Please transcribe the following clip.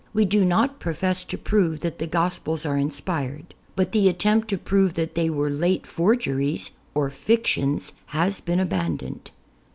We do not profess to prove that the Gospels are inspired, but the attempt to prove that they were late for geries or fictions has been abandoned.